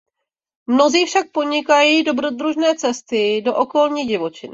Mnozí však podnikají dobrodružné cesty do okolní divočiny.